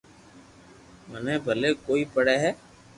مني پلي ڪوئي پڙي ھي